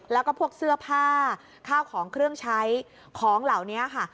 แล้วก็พวกเสื้อผ้าข้าวของเครื่องใช้ของเหล่านี้ค่ะ